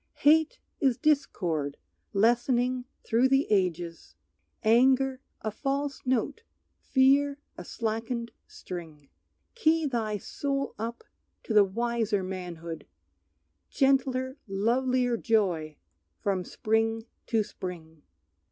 "Hate is discord lessening through the ages; Anger a false note, fear a slackened string. Key thy soul up to the wiser manhood, Gentler lovelier joy from spring to spring!"